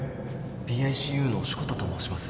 ＰＩＣＵ の志子田と申します